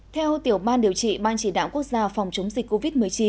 theo tiểu ban điều trị ban chỉ đạo quốc gia phòng chống dịch covid một mươi chín